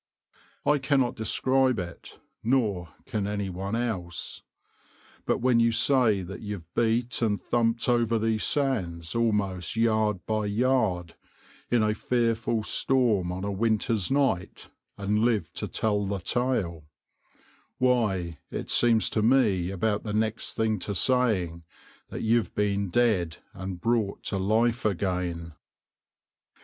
I cannot describe it, nor can anyone else; but when you say that you've beat and thumped over these sands, almost yard by yard, in a fearful storm on a winter's night, and live to tell the tale, why it seems to me about the next thing to saying that you've been dead and brought to life again."